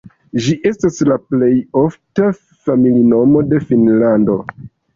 Ĝi estas la plej ofta familinomo de Finnlando.